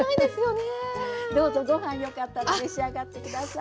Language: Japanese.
どうぞご飯よかったら召し上がって下さい。